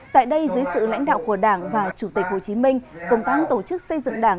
tại đây dưới sự lãnh đạo của đảng và chủ tịch hồ chí minh công tác tổ chức xây dựng đảng